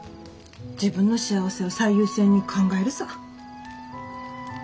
自分の幸せを最優先に考えるさ。